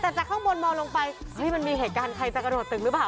แต่จากข้างบนมองลงไปเฮ้ยมันมีเหตุการณ์ใครจะกระโดดตึกหรือเปล่า